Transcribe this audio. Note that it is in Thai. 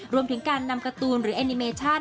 รวมถึงการนำการ์ตูนหรือเอนิเมชั่น